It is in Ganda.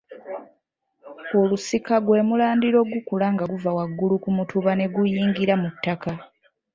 Olusika gwe mulandira ogukula nga guva waggulu ku mutuba ne guyingira mu ttaka.